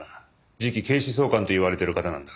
次期警視総監と言われている方なんだが。